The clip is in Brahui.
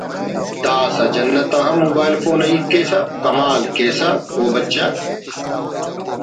داسہ جنت آن ہم موبائل فون آ ہیت کیسہ کما ل کیسہ …… او بچہ